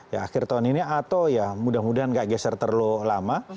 ya akhir tahun ini atau ya mudah mudahan gak geser terlalu lama